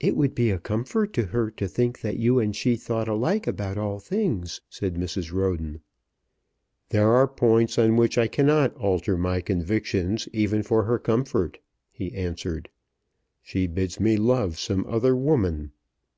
"It would be a comfort to her to think that you and she thought alike about all things," said Mrs. Roden. "There are points on which I cannot alter my convictions even for her comfort," he answered. "She bids me love some other woman.